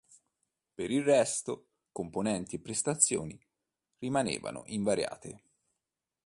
Per il resto, componenti e prestazioni rimanevano invariate.